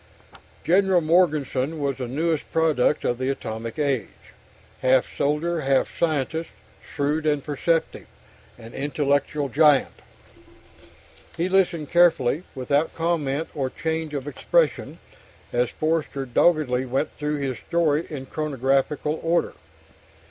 General Morganson was the newest product of the Atomic Age, half soldier, half scientist shrewd and perceptive, an intellectual giant. He listened carefully, without comment or change of expression, as Forster doggedly went through his story in chronological order.